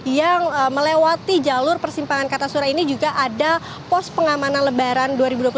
yang melewati jalur persimpangan kartasura ini juga ada pos pengamanan lebaran dua ribu dua puluh tiga